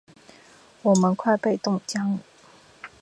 我们快被冻僵了！